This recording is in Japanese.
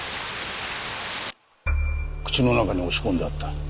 口の中に押し込んであった。